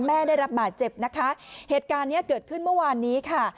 ได้รับบาดเจ็บนะคะเหตุการณ์เนี้ยเกิดขึ้นเมื่อวานนี้ค่ะ